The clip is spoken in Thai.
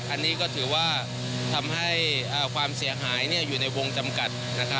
อันนี้ก็ถือว่าทำให้ความเสียหายอยู่ในวงจำกัด